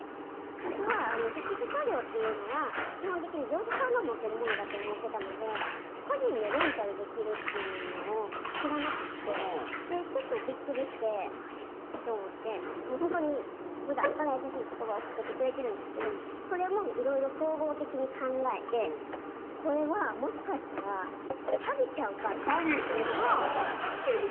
私は福祉車両っていうのは基本的に業者さんが持ってるものだと思ってたので個人でレンタルできるっていうのを知らなくてちょっとびっくりしてあれ？って思ってほんとにふだんから優しい言葉をかけてくれてるんですけどそれもいろいろ総合的に考えてこれはもしかしたら詐欺ちゃうか詐欺！